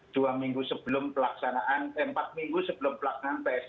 dua minggu sebelum pelaksanaan empat minggu sebelum pelaksanaan psbb ketat ini